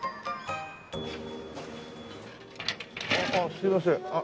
すいません。